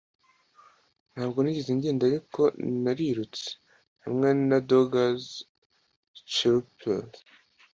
ntabwo nigeze ngenda, ariko narirutse hamwe na Dogger's stirrupleather